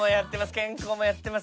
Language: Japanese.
健康もやってます。